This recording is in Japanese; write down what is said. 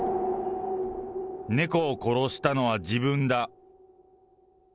猫を殺したのは自分だ。